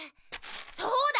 そうだ！